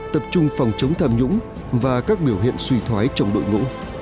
tập trung phòng chống tham nhũng và các biểu hiện suy thoái trong đội ngũ